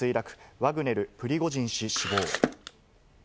ワグネル、プリゴジン氏死亡。